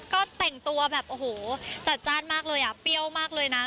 ก็แต่งตัวแบบโอ้โหจัดจ้านมากเลยอ่ะเปรี้ยวมากเลยนะ